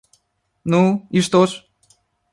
Ну, и что ж?